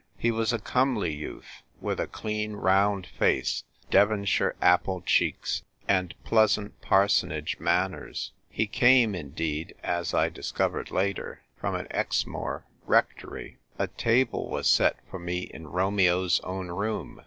He was a comely youth, with a clean round face, Devonshire apple cheeks, and pleasant parsonage manners ; he came, indeed, as I discovered later, from an Exmoor rectory. A table was set for me in Romeo's own room.